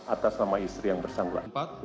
atas nama istri yang bersangkutan